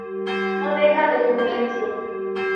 No deja descendencia.